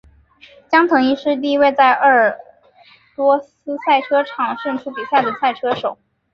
江腾一是第一位在鄂尔多斯赛车场胜出比赛的赛车手。